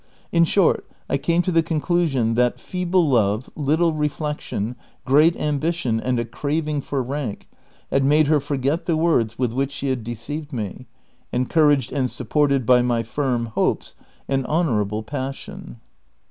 In short, I came to tlie conclusion that feeble love, little reflection, great ambition, and a craving for rank, had made her forget the words with which she had deceived me, encouraged and supported by my firm hopes and honorable passion.